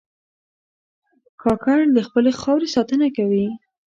کاکړ د خپلې خاورې ساتنه کوي.